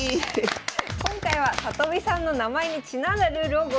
今回は里見さんの名前にちなんだルールをご用意しました。